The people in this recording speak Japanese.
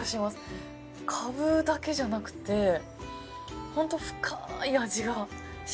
カブだけじゃなくてホント深い味がしますね。